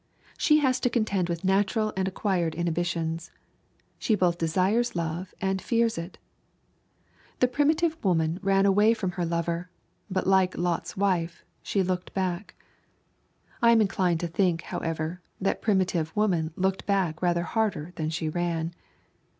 She has to contend with natural and acquired inhibitions. She both desires love and fears it. The primitive woman ran away from her lover, but like Lot's wife, she looked back. I am inclined to think, however, that primitive woman looked back rather harder than she ran.